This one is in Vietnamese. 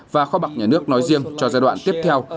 và kho bạc nhà nước nói riêng cho giai đoạn tiếp theo